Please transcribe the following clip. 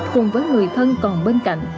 cùng với người thân còn bên cạnh